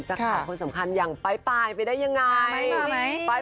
ข่าวคนสำคัญอย่างปลายไปได้ยังไง